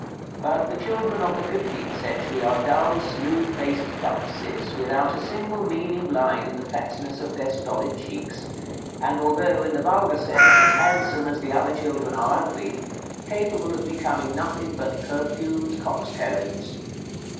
But the children of the fifteenth century are dull smooth faced dunces, without a single meaning line in the fatness of their stolid cheeks; and, although, in the vulgar sense, as handsome as the other children are ugly, capable of becoming nothing but perfumed coxcombs.